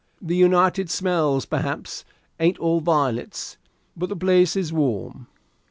The united smells, perhaps, ain't all violets, but the place is warm."